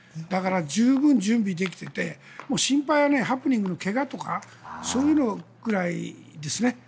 だから、十分準備できていて心配は、ハプニングの怪我とかそういうのぐらいですね。